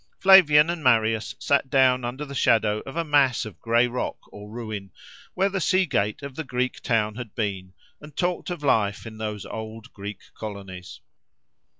Flavian and Marius sat down under the shadow of a mass of gray rock or ruin, where the sea gate of the Greek town had been, and talked of life in those old Greek colonies.